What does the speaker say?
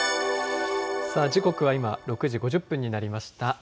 時刻は今、６時５０分になりました。